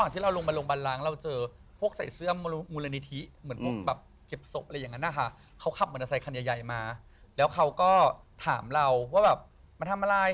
เขาบอกแล้วเดินออกมาไปหน้าปากซอย